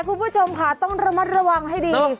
คุณผู้ชมค่ะต้องระมัดระวังให้ดี